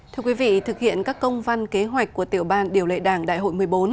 thưa quý vị thực hiện các công văn kế hoạch của tiểu ban điều lệ đảng đại hội một mươi bốn